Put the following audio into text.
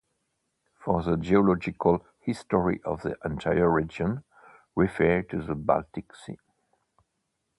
For the geological history of the entire region, refer to the Baltic Sea.